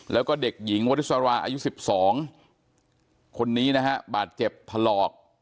แล้วก็เด็กหญิงวริสราอายุ๑๒คนนี้นะฮะบาดเจ็บถลอก